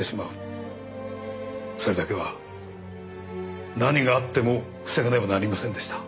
それだけは何があっても防がねばなりませんでした。